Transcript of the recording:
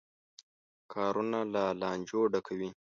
کارونه له لانجو ډکوي.